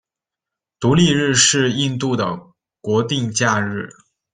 独立日是印度的国定假日。